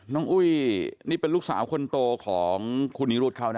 น้องอุ้ยนี่เป็นลูกสาวคนโตของคุณนิรูทครับ